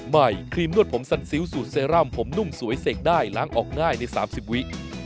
ครีมนวดผมสัดซิ้วสูตรเซรั่มผมนุ่มสวยเสกได้ล้างออกง่ายใน๓๐วิ